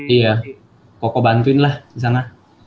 iya koko bantuin lah disana